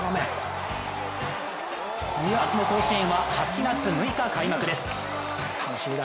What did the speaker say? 夏の甲子園は８月６日開幕です。